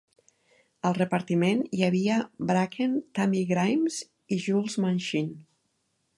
Al repartiment hi havia Bracken, Tammy Grimes i Jules Munshin.